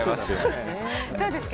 どうですか？